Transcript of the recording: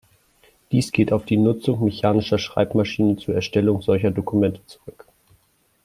Dies geht auf die Nutzung mechanischer Schreibmaschinen zur Erstellung solcher Dokumente zurück.